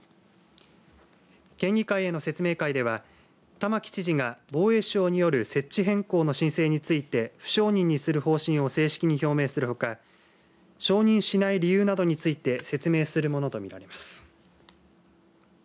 県議会への説明会では玉城知事が防衛省による設置変更の申請について不承認にする方針を正式に表明するほか承認しない理由などについて説明するものとみられます。